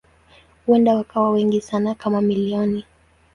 Huenda wakawa wengi sana kama milioni.